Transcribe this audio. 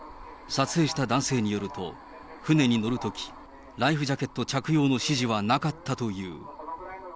撮影した男性によると、船に乗るとき、ライフジャケット着用の指示はなかったという。